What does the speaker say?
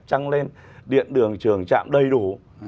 trăng lên điện đường trường trạm đầy đủ